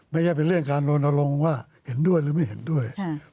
ไม่ใช่เป็นเรื่องการลนลงว่าเห็นด้วยหรือไม่เห็นด้วย